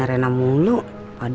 bisa alasan opah ya